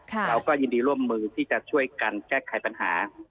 เราก็ยินดีร่วมมือที่จะช่วยกันแก้ไขปัญหา